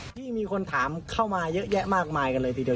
มีคนถามเข้ามาเยอะแยะมากมายกันเลยทีเดียว